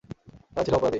তারা ছিল অপরাধী।